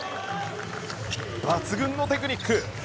抜群のテクニック。